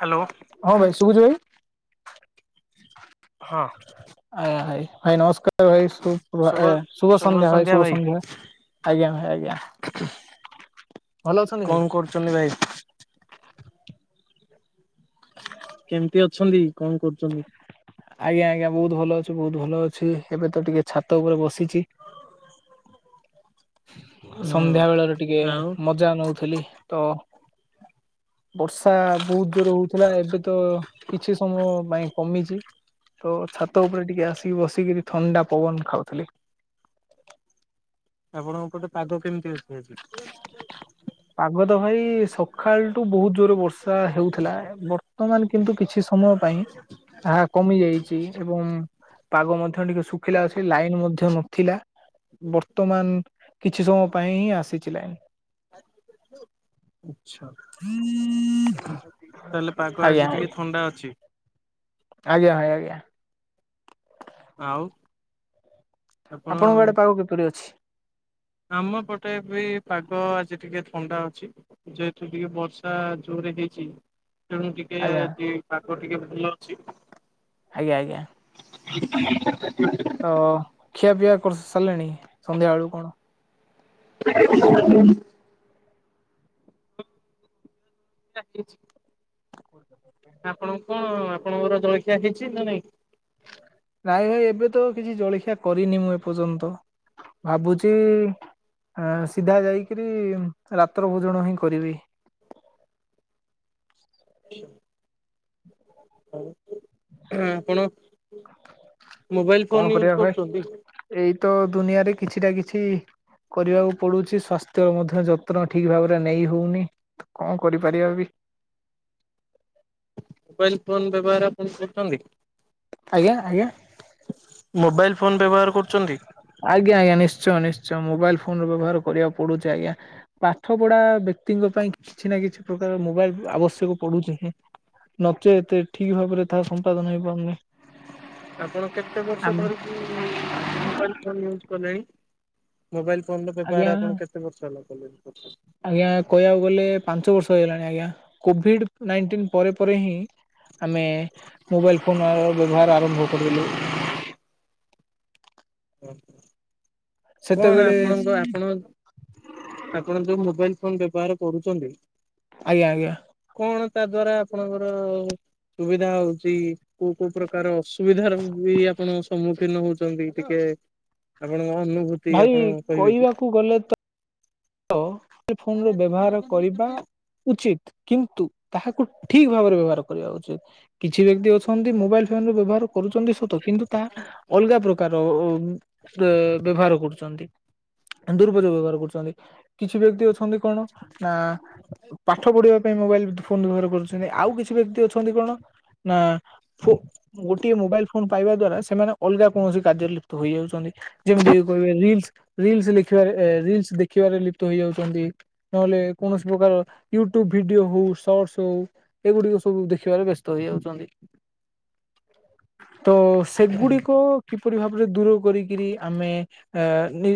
Hello ହଁ, ଭାଇ ଶୁଭୁଛି ଭାଇ? ହଁ, ଆଜ୍ଞା ଭାଇ ଭାଇ ନମସ୍କାର ଭାଇ ସୁପ୍ର ଏ ଶୁଭ ସନ୍ଧ୍ୟା ଭାଇ ଶୁଭ ସନ୍ଧ୍ୟା। ଆଜ୍ଞା ଭାଇ ଆଜ୍ଞା ଭଲ ଅଛନ୍ତି ଭାଇ? କଣ କରୁଚନ୍ତି ଭାଇ? କେମିତି ଅଛନ୍ତି କଣ କରୁଚନ୍ତି? ଆଜ୍ଞା ଆଜ୍ଞା ବହୁତ ଭଲ ଅଛି ବହୁତ ଭଲ ଅଛି ଏବେ ତ ଟିକେ ଛାତ ଉପରେ ବସିଛି। [inaudible] ହୁଁ ସନ୍ଧ୍ୟା ବେଳରେ ଟିକେ ଆଉ ମଜା ନୋଉଥିଲି ତ। ବର୍ଷା ବୋହୁତ ଜୋର ହୋଉଥିଲା ଏବେ ତ କିଛି ସମୟ ପାଇଁ କମିଛି। ତ ଛାତ ଉପରେ ଟିକେ ଆସିକି ବସିକି ଥଣ୍ଡା ପବନ ଖାଉଥିଲି। ଆପଣଙ୍କ ପଟେ ପାଗ କେମିତି ଅଛି ଆଜି? ପାଗ ତ ଭାଇ ସକାଳ ବହୁତ ଜୋରରେ ବର୍ଷା ହେଉଥିଲା ବର୍ତ୍ତମାନ କିନ୍ତୁ କିଛି ସମୟ ପାଇଁ ଆ କମି ଯାଇଛି ଏବଂ ପାଗ ମଧ୍ୟ ଟିକେ ଶୁଖିଲା ଅଛି ଲାଇନ ମଧ୍ୟ ନଥିଲା ବର୍ତ୍ତମାନ କିଛି ସମୟ ପାଇଁ ହିଁ ଆସିଛି ଲାଇନ। ଆଚ୍ଛା ତାହେଲେ ପାଗ ଆଜ୍ଞା ଆଜି ଭାଇ ଟିକେ ଥଣ୍ଡା ଅଛି। ଆଜ୍ଞା ଭାଇ ଆଜ୍ଞା। ଆଉ। ଆପଣ ଆପଣଙ୍କ ଆଡେ ପାଗ କିପରି ଅଛି? ଆମ ପଟେ ବି ପାଗ ଆଜି ଟିକେ ଥଣ୍ଡା ଅଛି ଯେହେତୁ ଟିକେ ବର୍ଷା ଜୋରେ ହେଇଛି। ତେଣୁ ଟିକେ ଆଜ୍ଞା ଆଜି ପାଗ ଟିକେ ଭଲ ଅଛି। ଆଜ୍ଞା ଆଜ୍ଞା। [unintelligible] ତ ଖିଆ ପିଆ କରି ସାରିଲେଣି ସନ୍ଧ୍ୟା ବେଳୁ କଣ। [unintelligible] [inaudible] ଆପଣ କଣ ଆପଣଙ୍କର ଜଳଖିଆ ହେଇଛି ନା ନାଇଁ। ନାଇଁ ଭାଇ ଏବେ ତ କିଛି ଜଳଖିଆ କରିନି ମୁଁ ଏପର୍ଯ୍ୟନ୍ତ ଭାବୁଛି ଆ ସିଧା ଯାଇକିରି ରାତ୍ର ଭୋଜନ ହିଁ କରିବି। [inaudible] [unintelligible] ହଁଆ ଆପଣ। ମୋବାଇଲ ଫୋନ କଣ ୟୁଜ କରିବା କରୁଛନ୍ତି ଭାଇ ଏଇ ତ ଦୁନିଆରେ କିଛିଟା କିଛି କିଛି କରିବାକୁ ପଡୁଛି ସ୍ଵାସ୍ଥ୍ୟ ମଧ୍ୟ ଯତ୍ନ ଠିକ ଭାବରେ ନେଇ ହଉନି। ତ କଣ କରିପାରିବା ବି। ମୋବାଇଲ ଫୋନ ବ୍ୟବହାର ଆପଣ କରୁଚନ୍ତି? ଆଜ୍ଞା ଆଜ୍ଞା। ଫୋନ୍ ବ୍ୟବହାର କରୁଛନ୍ତି? ଆଜ୍ଞା ଆଜ୍ଞା ନିଶ୍ଚୟ ନିଶ୍ଚୟ ମୋବାଇଲ ଫୋନ ର ବ୍ୟବହାର କରିବାକୁ ପଡୁଛି ଆଜ୍ଞା ପାଠ ପଢା ବ୍ୟକ୍ତିଙ୍କ ପାଇଁ କିଛି ନା କିଛି ପ୍ରକାର ମୋବାଇଲ ଆବଶ୍ୟକ ପଡୁଛି ହିଁ। ନଚେତ ଠିକ ଭାବରେ ତାହା ସମ୍ପାଦନ ହେଇପାରୁନି। ଆପଣ କେତେ ବର୍ଷ ଆମ୍ ଧରିକି ମୋବାଇଲ ଫୋନ ୟୁଜ କଲେଣି? ମୋବାଇଲ ଫୋନ ର ଆଜ୍ଞା ବ୍ୟବହାର ଆପଣ କେତେ ବର୍ଷ ହେଲା କଲେଣି କରିଛନ୍ତି? ଆଜ୍ଞା କହିବାକୁ ଗଲେ ପାଞ୍ଚ ବର୍ଷ ହେଇଗଲାଣି ଆଜ୍ଞା, କୋଭିଡ ନାଇଟିନ ପରେ ପରେ ହିଁ ଆମେ ମୋବାଇଲ ଫୋନର ବ୍ୟବହାର ଆରମ୍ଭ କରିଦେଲୁ। ଓଃ ହୋ କଣ ସେତେବେଳେ ଆପଣଙ୍କ ଆପଣ ଆପଣ ଯୋଉ ମୋବାଇଲ ଫୋନ ବ୍ୟବହାର କରୁଛନ୍ତି। ଆଜ୍ଞା ଆଜ୍ଞା। କଣ ତା ଦ୍ଵାରା ଆପଣଙ୍କର ସୁବିଧା ହଉଛି? କୋଉ କୋଉ ପ୍ରକାର ଅସ୍ ସୁବିଧାର ବି ଆପଣଙ୍କ ସମ୍ମୁଖୀନ ହଉଛନ୍ତି, ଟିକେ ଆପଣଙ୍କ ଅନୁଭୂତି ଆପଣ ଭାଇ କହିବେ କି? କହିବାକୁ ଗଲେ ତ ସେ ଫୋନ ର ବ୍ୟବହାର କରିବା ଉଚିତ, କିନ୍ତୁ ତାହାକୁ ଠିକ ଭାବରେ ବ୍ୟବହାର କରିବା ଉଚିତ। କିଛି ବ୍ୟକ୍ତି ଅଛନ୍ତି ମୋବାଇଲ ଫୋନ ବ୍ୟବହାର କରୁଛନ୍ତି ସତ, କିନ୍ତୁ ତାହା ଅଲଗା ପ୍ରକାର ବେ ବ୍ୟବହାର କରୁଛନ୍ତି। ଦୁରୁପଯୋଗ ବ୍ୟବହାର କରୁଛନ୍ତି, କିଛି ବ୍ୟକ୍ତି ଅଛନ୍ତି କଣ ନା ପାଠ ପଢିବା ପାଇଁ ମୋବାଇଲ ଫୋନ ବ୍ୟବହାର କରୁଛନ୍ତି। ଆଉ କିଛି ବ୍ୟକ୍ତି ଅଛନ୍ତି କଣ ନା ଫୋ ଗୋଟିଏ ମୋବାଇଲ ଫୋନ୍ ପାଇବା ଦ୍ଵାରା, ସେମାନେ ଅଲଗା କୌଣସି କାର୍ଯ୍ୟରେ ଲିପ୍ତ ହେଇଯାଉଛନ୍ତି। ଯେମିତି କହିବେ ରିଲସ ରିଲ୍ସ ଲେଖିବାରେ ରିଲସ ଦେ ଦେଖିବାରେ ଲିପ୍ତ ହେଇଯାଉଛନ୍ତି, ନହେଲେ କୌଣସି ପ୍ରକାର ୟୁଟ୍ୟୁବ ଭିଡିଓ ହଉ ସଟସ୍ ହଉ ଏଗୁଡିକ ସବୁ ଦେଖିବାରେ ବ୍ୟସ୍ତ ହେଇଯାଉଛନ୍ତି। ତ ସେଗୁଡିକ କିପରି ଭାବରେ ଦୂର କରିକିରି ଆମେ ଏ ନି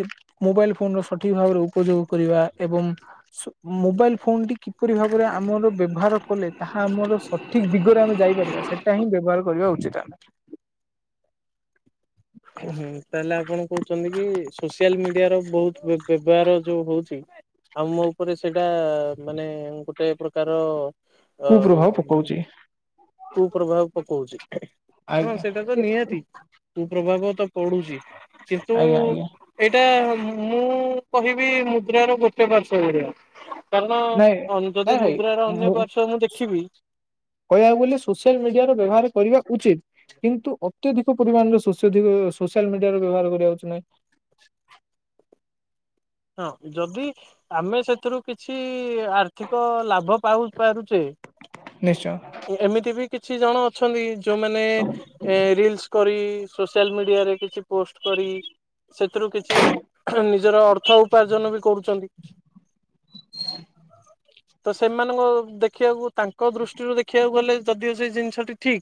ମୋବାଇଲ ଫୋନର ସଠିକ ଭାବରେ ଉପଯୋଗ କରିବା ଏବଂ ସୁ ମୋବାଇଲ ଫୋନ୍ ଟି କିପରି ଭାବରେ ଆମର ବ୍ୟବହାର କଲେ, ତାହା ଆମର ସ ସଠିକ ଦିଗରେ ଆମେ ଯାଇପାରିବା, ସେଇଟା ହିଁ ବ୍ୟବହାର କରିବା ଉଚିତ ଆମେ। ହୁଁ ତାହେଲେ ଆପଣ କହୁଛନ୍ତି କି, ସୋସିଆଲ ମିଡିଆ ର ବହୁତ ବ୍ୟବ ବ୍ୟବହାର ଯୋଉ ହଉଛି, ଆମ ଉପରେ ସେଇଟା ମାନେ ଗୋଟେ ପ୍ରକାର କୁପ୍ରଭାବ ଆଉ। ପକଉଛି। କୁପ୍ରଭାବ ପକଉଛି। ଆଜ୍ଞା ପଡୁଛି କିନ୍ତୁ ଆଜ୍ଞା ଆଜ୍ଞା ଏଇଟା ମୁଁ କହିବି ମୁଦ୍ରାର ଗୋଟେ ପାର୍ଶ୍ୱ ଭଳିଆ ନାଇଁ କାରଣ ଯଦି ନାଇଁ ଭାଇ ମୁଦ୍ରାର ଅନ୍ୟ ପାର୍ଶ୍ଵ ମୁଁ ଦେଖିବି କହିବାକୁ ଗଲେ ସୋସିଆଲ ମିଡିଆର ବ୍ୟବହାର କରିବା ଉଚିତ। କିନ୍ତୁ ଅତ୍ୟଧିକ ପରିମାଣରେ ସୋସି [unintelligible] ସୋସିଆଲ ମିଡିଆର ବ୍ୟବହାର କରିବା ଉଚିତ୍ ନୁହେଁ। ହଁ ଯଦି ଆମେ ସେଥିରୁ, କିଛି ଆର୍ଥିକ ଲାଭ ପାଉ ପାରୁଛେ ନିଶ୍ଚୟ ଏମିତି ବି କିଛି ଜଣ ଅଛନ୍ତି ଯୋଉମାନେ ରିଲସ କରି, ସୋସିଆଲ ମିଡିଆରେ କିଛି ପୋଷ୍ଟ କରି ସେଥିରୁ କିଛି ନିଜର ଅର୍ଥ ଉପାର୍ଜନ ବି କରୁଛନ୍ତି। ତ ସେମାନଙ୍କ ଦେଖିଆକୁ, ତାଙ୍କ ଦୃଷ୍ଟିରୁ ଦେଖିଆକୁ ଗଲେ ଯଦିଓ ସେ ଜିନିଷଟି ଠିକ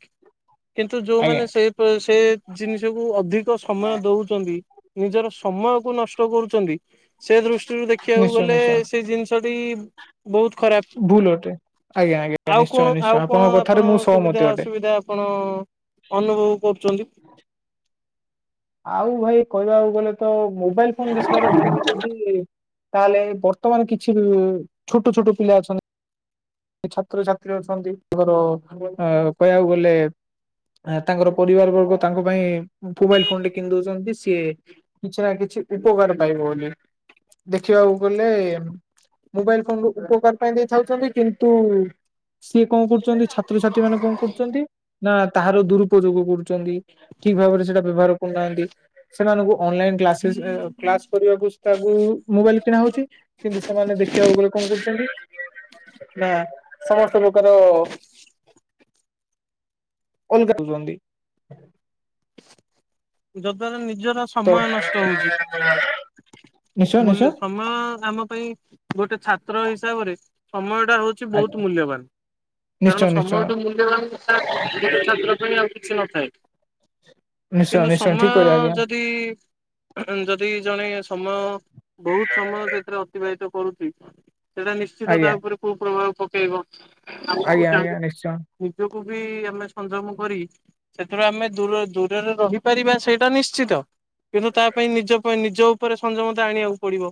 କିନ୍ତୁ ଯୋଉମାନେ ଆଜ୍ଞା ସେ ସେ ଜିନିଷକୁ ଅଧିକ ସମୟ ଦଉଛନ୍ତି ନିଜର ସମୟକୁ ନଷ୍ଟ କରୁଛନ୍ତି, ସେ ଦୃଷ୍ଟିରୁ ଦେଖିଆକୁ ନିଶ୍ଚୟ ଗଲେ ନିଶ୍ଚୟ। ସେ ଜିନିଷ ବି ବହୁତ ଭୁଲ ଅଟେ ଆଜ୍ଞା ଆଜ୍ଞା ଖରାପ। ଆଉ ନିଶ୍ଚୟ କଣ ନିଶ୍ଚୟ ଆଉ କଣ ଆପଣଙ୍କ କଥାରେ ଆପଣ ମୁଁ ସହମତି ସୁବିଧା ଅଟେ। ଅସୁବିଧା ଆପଣ ଅ ଅନୁଭବ କରୁଛନ୍ତି। ଆଉ ଭାଇ କହିବାକୁ ଗଲେ ତ, ମୋବାଇଲ ଫୋନ ବିଷୟରେ କହିବେ ଯଦି ତାହେଲେ ବର୍ତ୍ତମାନ କିଛି ଛୋଟ ଛୋଟ ପିଲା ଅଛନ୍ତି। ଛାତ୍ରଛାତ୍ରୀ ଅଛନ୍ତି ତାଙ୍କର [unintelligible] କହିବାକୁ ଗଲେ ଏଁ ତାଙ୍କର ପରିବାର ବର୍ଗ ତାଙ୍କ ପାଇଁ ମୋବାଇଲ ଫୋନଟି କିଣି ଦଉଛନ୍ତି ସିଏ କିଛି ନା କିଛି ଛି ଉପକାର ପାଇବ ବୋଲି। ଦେଖିବାକୁ ଗଲେ ମୋବାଇଲ ଫୋନରୁ ଉପକାର ପାଇଁ ଦେଇଥାଉଛନ୍ତି କିନ୍ତ କିନ୍ତୁ ସିଏ କଣ କରୁଛନ୍ତି ଛାତ୍ରଛାତ୍ରୀ ମାନେ କଣ କରୁଛନ୍ତି ନା ତାହାର ଦୁରୁପଯୋଗ କରୁଛନ୍ତି ଠିକ ଭାବରେ ସେଟା ବ୍ୟବହାର କରୁନାହାନ୍ତି ସେମାନଙ୍କୁ ଅନଲାଇନ କ୍ଲାସେସ୍ ଏ କ୍ଲାସ କରିବାକୁ ତାକୁ ମୋବାଇଲ କିଣା ହଉଛି କିନ୍ତୁ ସେମାନେ ଦେଖିବାକୁ ଗଲେ କଣ କରୁଛନ୍ତି? ନା ସମସ୍ତ ପ୍ରକାର ଅଲଗା କରୁଛନ୍ତି। ଯ ଦ୍ୱାରା ନି ନିଜର ତ ସମୟ ନଷ୍ଟ ହଉଛି ନିଶ୍ଚୟ ନିଶ୍ଚୟ ମୂଲ୍ୟ ସମୟ ଆମ ପାଇଁ ଗୋଟେ ଛାତ୍ର ହିସାବରେ ସମୟ ଟା ହଉଛି ଆଜ୍ଞା ବହୁତ ମୂଲ୍ୟବାନ ନିଶ୍ଚୟ କାରଣ ନିଶ୍ଚୟ ସମୟଠୁ ମୂଲ୍ୟବାନ ଛାତ୍ର ପାଇଁ ଆଉ କିଛି ନଥାଏ। ନିଶ୍ଚୟ କିନ୍ତୁ ନିଶ୍ଚୟ ସମୟ ଠିକ କହିଲେ ଆଜ୍ଞା ଯଦି ଯଦି ଜଣେ ସମୟ ବହୁତ ସମୟ ସେଥିରେ ଅତିବାହିତ କରୁଛି। ସେଇଟା ନିଶ୍ଚିତ ତା ଆଜ୍ଞା ଉପରେକୁ ପ୍ରଭାବ ପକେଇବ ଆମକୁ ଆଜ୍ଞା ଆଜ୍ଞା [unintelligible] ନିଶ୍ଚୟ। ନିଜକୁ କୁ ବି ଆମେ ସଂଯମ କରି ସେଥି ପାଇଁ ଆମେ ଦୂର ଦୂରରେ ରହି ପାରିବା ସେଇଟା ନିଶ୍ଚିତ। କିନ୍ତୁ ତା ପାଇଁ ନିଜ ପାଇଁ ନିଜ ଉପରେ ସଂଯମତା ଆଣିବାକୁ ପଡିବ।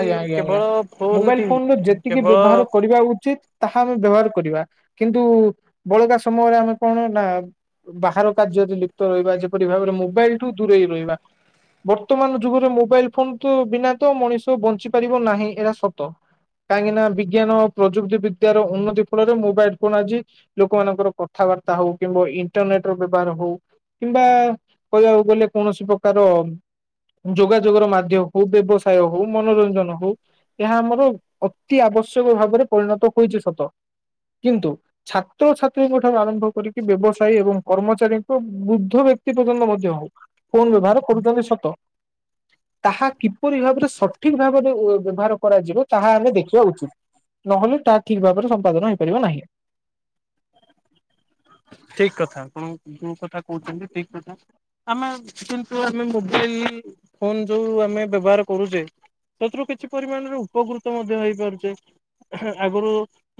ଆଜ୍ଞା ଆଜ୍ଞା ଆଜ୍ଞା କେବଳ ଫୋନ ମୋବାଇଲ ଟି ଫୋନର ଯେତିକି କେବଳ ବ୍ୟବହାର କରିବା ଉଚିତ ତାହା ଆମେ ବ୍ୟବହାର କରିବା। କିନ୍ତୁ ବଳିବା ସମୟରେ ଆମେ କଣ ନା ବାହାର କାର୍ଯ୍ୟରେ ଲିପ୍ତ ରହିବା ଯେପରି ଭାବରେ ମୋବାଇଲ ଠୁ ଦୂରେଇ ରହିବା। ବର୍ତ୍ତମାନ ଯୁଗରେ ମୋବାଇଲ ଫୋନ ତ ବିନା ତ ମଣିଷ ବଞ୍ଚି ପାରିବ ନାହିଁ ଏଟା ସତ। କାହିଁକି ନା ବିଜ୍ଞାନ ଓ ପ୍ରଯୁକ୍ତି ବିଦ୍ୟର ଉନ୍ନତି ଫଳରେ ମୋବାଇଲ ଫୋନ ଆଜି ଲୋକମାନଙ୍କର କଥା କର୍ତ୍ତା ହଉ କିମ୍ବୁ ଇଣ୍ଟରନେଟ ର ବ୍ୟବହାର ହଉ କିମ୍ବା କହିବାକୁ ଗଲେ କୌଣସି ପ୍ରକାର ଯୋଗାଯୋଗ ର ମାଧ୍ୟ କୋଉ ବ୍ୟବସାୟ ହଉ ମନୋରଞ୍ଜନ ହଉ ଏହା ଆମର ଅତି ଆବଶ୍ୟକ ଭାବରେ ପରିଣତ ହୋଇଛି ସତ କିନ୍ତୁ ଛାତ୍ରଛାତ୍ରୀଙ୍କ ଠାରୁ ଆରମ୍ଭ କରିକି ବ୍ୟବସାୟୀ ଏବଂ କର୍ମଚାରୀଙ୍କ ବୃଦ୍ଧ ବ୍ୟ କ୍ତି ପଯ୍ୟନ୍ତ ମଧ୍ୟ୍ୟ ଫୋନ ବ୍ୟବହାର କରୁଛନ୍ତି ସତ ତାହା କିପରି ଭାବରେ ସ ସଠିକ ଭାବରେ ଓ ବ୍ୟବହାର କରାଯିବ ତାହା ଆମେ ଦେଖିବା ଉଚିତ। ନହେଲେ ତାହା ଠିକ୍ ଭାବରେ ସମ୍ପାଦନ ହୋଇପାରିବ ନାହିଁ। [inaudible] ଠିକ କଥା ଆପଣ ଯୋଉ କଥା କହୁଛନ୍ତି ଠିକ କଥା ଆମେ କିନ୍ତୁ ଆମେ ମୋବାଇଲ ଟି ଫୋନ ଯୋଉ ଆମେ ବ୍ୟବହାର କରୁଛେ ସେଥିରୁ କିଛି ପରିମାଣରେ ଉପକୃତ ମଧ୍ୟ ହେଇପାରୁଛେ। ଆଗରୁ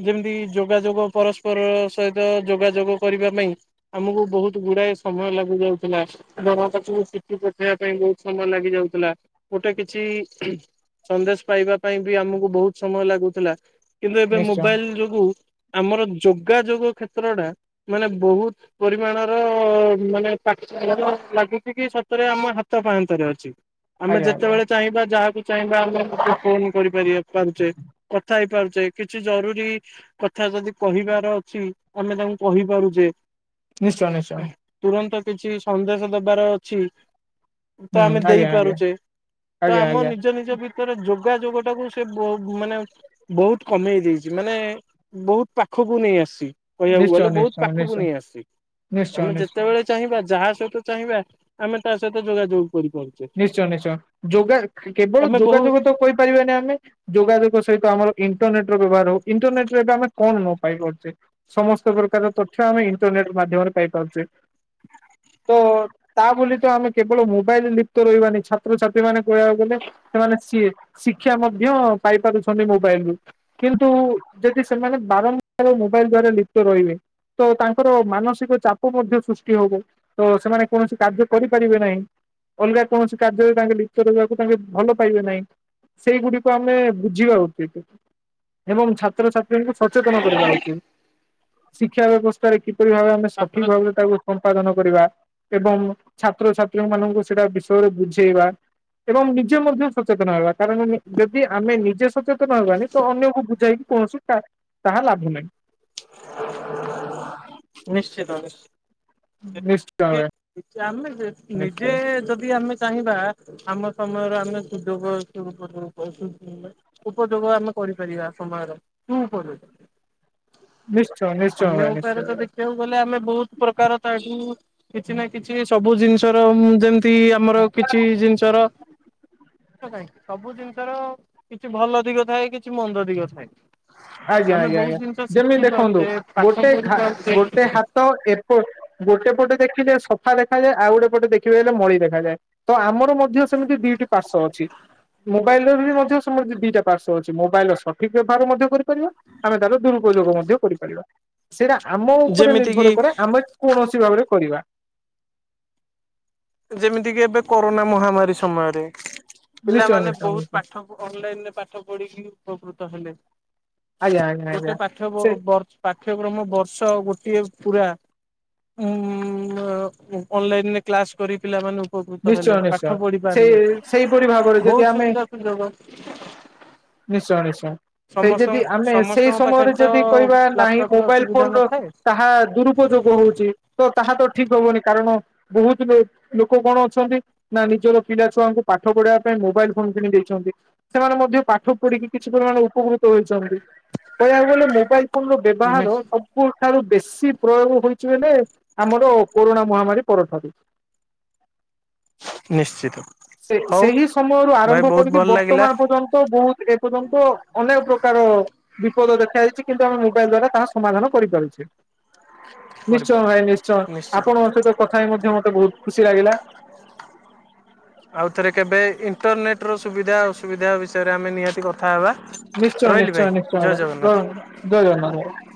ଯେମିତି ଯୋଗାଯୋଗ ପରସ୍ପର ସହିତ ଯୋଗାଯୋଗ କରିବା ପାଇଁ ଆମକୁ ବହୁତ ଗୁଡ଼ାଏ ସମୟ ଲାଗି ଯାଉଥିଲା [unintelligible] ପାଖକୁ ଚିଠି ପଠେଇବା ପାଇଁ ବହୁତ ସମୟ ଲାଗି ଯାଉଥିଲା ଗୋଟେ କିଛି ସନ୍ଦେଶ ପାଇବା ପାଇଁ ବି ଆମକୁ ବହୁତ ସମୟ ଲାଗୁଥିଲା। କିନ୍ତୁ ଏବେ ନିଶ୍ଚୟ ମୋବାଇଲ ଯୋଗୁ ଆମର ଯୋଗାଯୋଗ କ୍ଷେତ୍ରଟା ମାନେ ବହୁତ ପରିମାଣର ମାନେ [unintelligible] ଲାଗୁଛି କି ସତରେ ଆମ ହାତ ପାହାନ୍ତାରେ ଅଛି। ଆମେ ଆଜ୍ଞା ଆଜ୍ଞା ଯେତେବେଳେ ଚାହିଁବା ଯାହାକୁ ଚାହିଁବା ଆମେ ଫୋନ କରିପାରିବା ପଞ୍ଚେ କଥା ହେଇପାରୁ ଯେ କିଛି ଜରୁରୀ କଥା ଯଦି କହିବାର ଅଛି ଆମେ ତାଙ୍କୁ କହିପାରୁଛେ। ନିଶ୍ଚୟ ନିଶ୍ଚୟ। ତୁରନ୍ତ କିଛି ସନ୍ଦେଶ ଦେବାର ଅଛି। ତ ହୁଁ ଆମେ ଆଜ୍ଞା ଆଜ୍ଞା ଦେଇପାରୁଛେ ତ ଆଜ୍ଞା ଆମ ଆଜ୍ଞା ନିଜ ନିଜ ଭି ତରୋ ଯୋଗ ଯୋଗ ଟାକୁ ସେ ବ ମାନେ ବହୁତ କମେଇ ଦେଇଛି। ମାନେ ବହୁତ ପାଖ ଖକୁ ନେଇଆସିଛି। ନିଶ୍ଚୟ ନିଶ୍ ପାଖକୁ ନେଇ ଆସିଛି ଆମେ ଯେତେବେଳେ ଚାହିଁବା ଯାହା ସହିତ ଚାହିଁବା ଆମେ ତା ସହିତ ଯୋଗାଯୋଗ କରିପାରୁଛେ ନିଶ୍ଚୟ ନିଶ୍ଚୟ ଯୋଗା କେବଳ ଆମେ ବହୁ ଯୋଗାଯୋଗ ତ କହିପାରିବାନି ଆମେ ଯୋଗାଯୋଗ ସହିତ ଆମର ଇଣ୍ଟ୍ରନେଟ ର ବ୍ୟବହାର ହୋଉ ଇଣ୍ଟ୍ରନେଟ ଆମେ କଣ ନା ପାଇଁ ପାରୁଛେ ସମସ୍ତ ପ୍ରକାର ତଥ୍ୟ ଆମେ ଇଣ୍ଟରନେଟ ରୁ ବାହା ମାଧ୍ୟମରେ ପାଇପାରୁଚେ। ହ [inaudible] ତ ତା ବୋଲି ତ ଆମେ କେବଳ ମୋବାଇଲ ତ ରହିବାନି ଛାତ୍ରଛାତ୍ରୀ ମାନେ କହିବାକୁ ଗଲେ ସେମାନେ ଶିକ୍ଷା ମଧ୍ୟ ପାଇ ପାରୁଛନ୍ତି ମୋବାଇଲ କିନ୍ତୁ ଯଦି ସେମାନେ ବାରମ୍ବାର ମୋବାଇଲ ଦ୍ଵାରା ଲିପ୍ତ ରହିବେ। ତ ତାଙ୍କର ମାନସିକ ଚାପ ମଧ୍ୟ ସୃଷ୍ଟି ହବ ତ ସେମାନେ କୌଣସି କାର୍ଯ୍ୟ କରିପାରିବେ ନାହିଁ। ଅଲଗା କୌଣସି କାର୍ଯ୍ୟରେ ତାଙ୍କେ ଲିପ୍ତ ରହିବାକୁ ତାଙ୍କେ ଭଲ ପାଇବେ ନାହିଁ। ସେଇଗୁଡକୁ ଆମେ ବୁଝିବା ଉଚିତ ଏବଂ ଛାତ୍ରଛାତ୍ରୀ କେମିତି ସଚେତନ କରିବା ହୋଉଚି ଶିକ୍ଷା ବ୍ୟବସ୍ଥାରେ କି କିପରି ଭାବେ ଆମେ ସଠିକ୍ ମାତ୍ରାରେ ଭାବରେ ତାକୁ ସମ୍ପାଦନ କରିବା ଏବଂ ଛାତ୍ରଛାତ୍ରୀ ମାନଙ୍କୁ ସେଇଟା ବିଷୟରେ ବୁଝେଇବା ଏବଂ ନିଜେ ମଧ୍ୟ ସଚେତନ ହେବା କାରଣ ଯଦି ଆମେ ନିଜେ ସଚେତନ ହେବାନି ତ ଅନ୍ୟକୁ ବୁଝାଇକି କୌଣସି ତା-ତାହା ଲାଭ ନାହିଁ। ନିଶ୍ଚିତ ନିଶ୍ଚୟ ନିଶ୍ଚିତ। ଆମେ ନିଜେ ନିଶ୍ଚୟ ଯଦି ଆମେ ଚାହିଁବା ଆମ ସମୟର ଆମେ ସୁଯୋଗ ଦୁରୁପଯୋଗ ଉପଯୋଗ ଆମେ କରିପାରିବା ସମୟର ତୁ କର ନିଶ୍ଚୟ ନିଶ୍ଚୟ ଭାଇ ନିଶ୍ଚୟ ଭାଇ। ସେଠାକୁ ଗଲେ ଆମେ ବହୁତ ପ୍ରକାର ତାଠୁ କିଛି ନା କିଛି ସବୁ ଜିନିଷର ଯେମିତି ଟି ଆମର କିଛି ଜିନିଷର ସବୁ ଜିନ୍ ତାର କିଛି ଭଲ ଦିଗ ଥାଏ କିଛି ମନ୍ଦ ଦିଗ ଥାଏ। ଆଜ୍ଞା ଆମେ ଆଜ୍ଞା ବହୁତ ଆଜ୍ଞା ଜିନିଷ ଯେମିତି ଶିଖି ଦେଖନ୍ତୁ ପାରୁଛେ ପାଠ ଗୋଟେ ପଢି ପାରୁଛେ ଗୋଟେ ହା ତ ଏପ ଗୋଟେ ପଟେ ଦେଖିଲେ ସଫା ଦେଖାଯାଏ। ଆଉ ଗୋଟେ ପଟେ ଦେଖିବେ ହେଲେ ମଳି ଦେଖାଯାଏ। ତ ଆମ ମୋର ମଧ୍ୟ ସେମିତି ଦିଟି ପାର୍ଶ୍ଵ ଅଛି। ମୋବାଇଲ ର ବି ମଧ୍ୟ ସେମିତି ଦିଟା ପାର୍ଶ୍ୱ ଅଛି ମୋବାଇଲି ର ସଠିକ୍ ବ୍ୟବହାର ମଧ୍ୟ କରି ରିବା ଆମେ ତାର ଦୁରୁପଯୋଗ ମଧ୍ୟ କରିପାରିବା ସେଇଟା ଆମ ଉପରେ ଯେମିତି କିି ନିର୍ଭର କରେ ଆମେ କୌଣସି ଭାବରେ କରିବା। ଯେମିତିକି ଏବେ କରୋନା ମହାମାରୀ ସମୟରେ ନିଶ୍ଚୟ ପିଲାମାନେ ନିଶ୍ଚୟ ବହୁତ ନିଶ୍ଚୟ। ପାଠ ଅନଲାଇନି ରେ ପାଠ ପଢିକି ଉପକୃତ ହେଲେ। ଆଜ୍ଞା ଆଜ୍ଞା ଗୋଟେ ଆଜ୍ଞା ପାଠ୍ୟ ସେ ପାଠ୍ୟକ୍ରମ ବର୍ଷ ଗୋ ଟିଏ ପୁରା ଉଁ ମ୍ ଅନଲାଇନି ରେ କ୍ଲାସ କରି ପିଲାମାନଙ୍କୁ ଉପକୃତ ନିଶ୍ଚୟ ହେଲେ ନିଶ୍ଚୟ। ପାଠ ପଢି ସେ ପାରିଲେ ସେଇପରି ଭାବରେ ଯଦି ବହୁତ ଆମେ ସୁବିଧା ସୁଯୋଗ ନିଶ୍ଚୟ ନିଶ୍ଚୟ। ସେଇ ସମସ୍ତ ଯଦି ଆମେ ସେଇ ସମସ୍ତଙ୍କ ପାଖରେ ସମୟରେ ତ ଯଦି କହିବା ନାହିଁ ଲାପଟପ ର ମୋବାଇଲି ସୁବିଧା ଫୋନ ର ନଥାଏ। ତାହା ଦୁରୁପଯୋଗ ହୋଉଛି ତ ତାହା ତ ଠିକ୍ ହବନି କାରଣ ବହୁତ ଲୋ ଲୋକ କଣ ଅଛନ୍ତି ନା ନିଜର ପିଲା ଛୁଆଙ୍କୁ ପାଠ ପଢିବା ପାଇଁ ମୋବାଇଲି ଫୋନ କିଣି ଦେଇଛନ୍ତି ସେମାନେ ମଧ୍ୟ ତାକୁ ପାଠ ପଢିକି କିଛି ପରିମାଣ ଉପକୃତ ହେଇଛନ୍ତି ଏଇଆ ହେଇଗଲେ ମୋବାଇଲି ଫୋନ୍ ର ବ୍ୟବହାର ସବୁ ଠାରୁ ବେଶୀ ପ୍ରୟୋଗ ହୋଇଛି ମାନେ ଆମର କୋରୋନା ମହାମାରୀ ପରଠାରୁ। ନିଶ୍ଚିତ। ସେ ହଉ ସେହି ସମୟରୁ ଭାଇ ଆରମ୍ଭ ବହୁତ କରିକି ଭଲ ଲାଗିଲା ବର୍ତ୍ତମାନ ପର୍ଯ୍ୟନ୍ତ ବହୁତ ଏ ପର୍ଯ୍ୟନ୍ତ ଅନେକ ପ୍ରକାର ବିପଦ ଦେଖା ଯାଇଛି କିନ୍ତୁ ଆମେ ମୋବାଇଲି ଦ୍ଵାରା ତାହା ସମାଧାନ କରିପାରୁଛେ। ନିଶ୍ଚୟ କରିପାରୁଛି ଭାଇ ନିଶ୍ଚୟ ନିଶ୍ଚିତ। ଆପଣଙ୍କ ସହିତ କଥା ହେଇ ମଧ୍ୟ ମତେ ବହୁତ ଖୁ ଚି ଲାଗିଲା। ଆଉଥରେ କେବେ ଇଣ୍ଟରନେଟ ର ସୁବିଧା ଅସୁବିଧା ବିଷୟରେ ଆମେ ନିହାତି କଥା ହେବା। ନିଶ୍ଚୟ ରହିଲି ନିଶ୍ଚୟ ନିଶ୍ଚୟ ଜୟ ଭାଇ ଜଗନ୍ନାଥ। ରହୁ ଜୟ ଜଜଗନ୍ନାଥ ଭାଇ।